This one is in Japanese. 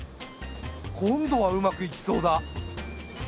今度はうまくいきそうだ。